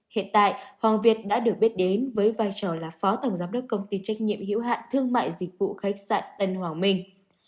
hiện tại hoàng việt đã được biết đến với vai trò là phó tổng giám đốc công ty trách nhiệm hữu hạn thương mại dịch vụ khách sạn tân hoàng minh